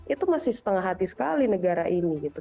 itu masih setengah hati sekali negara ini gitu